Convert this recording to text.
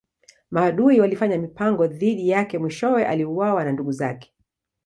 Maadui walifanya mipango dhidi yake mwishowe aliuawa na ndugu zake.